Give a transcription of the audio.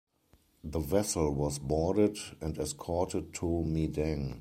The vessel was boarded and escorted to Medang.